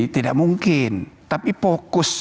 tidak mungkin tapi fokus